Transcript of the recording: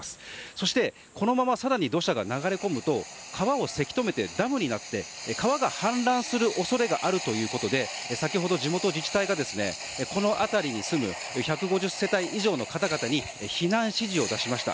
そして、このまま更に土砂が流れ込むと川をせき止めて、ダムになって川が氾濫する恐れがあるということで先ほど地元自治体がこの辺りに住む１５０世帯以上の方々に避難指示を出しました。